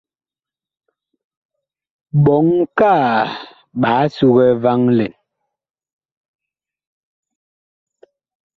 Ɓɔŋ kaa ɓaa sugɛ vaŋ lɛn.